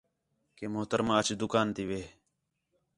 کہ محترمہ اَچ دُکان تی وِہ